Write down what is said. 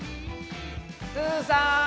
すずさーん！